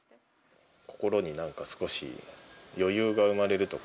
心に何か少し余裕が生まれるとかは。